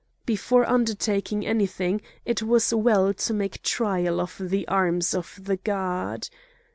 Before undertaking anything it was well to make trial of the arms of the god.